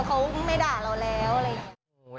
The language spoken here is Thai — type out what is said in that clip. เขาไม่ด่าเราแล้ว